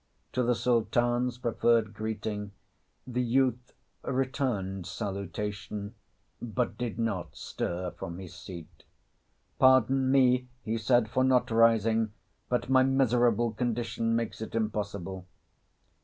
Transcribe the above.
To the Sultan's proffered greeting the youth returned salutation, but did not stir from his seat. "Pardon me," he said, "for not rising; but my miserable condition makes it impossible."